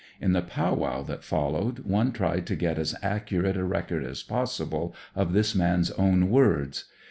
In the powwow that followed one tried to get as accurate a record as possible of this man's own words.